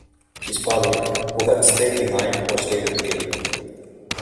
His father who had stayed behind was later killed.